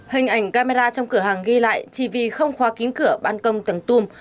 hình ảnh camera trong cửa hàng ghi lại chỉ vì không khóa kín cửa ban công tầng tung